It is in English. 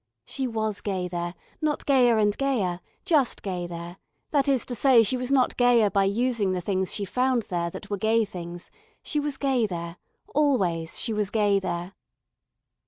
She was gay there, not gayer and gayer, just gay there, that is to say she was not gayer by using the things she found there that were gay things, she was gay there, always she was gay there.